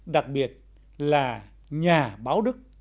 đặc biệt là nhà báo đức